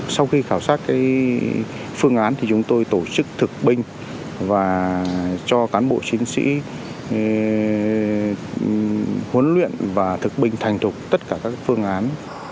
sau khi khảo sát phương án thì chúng tôi tổ chức thực binh và cho cán bộ chiến sĩ huấn luyện và thực binh thành tục tất cả các phương án